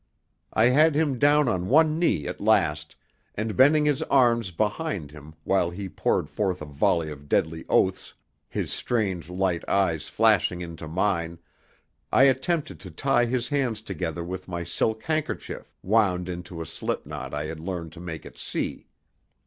I had him down on one knee at last, and bending his arms behind him while he poured forth a volley of deadly oaths his strange, light eyes flashing into mine I attempted to tie his hands together with my silk handkerchief, wound into a slip knot I had learned to make at sea.